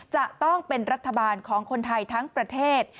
จะต้องเป็นรัฐบาลของคนไทยทั้งประเทศ